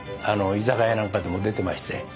居酒屋なんかでも出てまして。